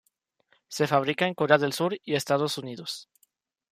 Se fabrica en Corea del Sur y Estados Unidos.